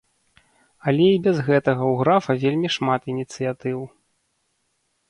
Але і без гэтага у графа вельмі шмат ініцыятыў.